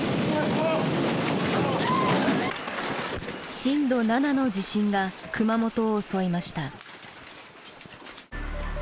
震度７の地震が熊本を襲いました。